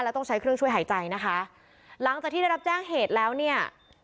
แล้วต้องใช้เครื่องช่วยหายใจนะคะหลังจากที่ได้รับแจ้งเหตุแล้วเนี่ย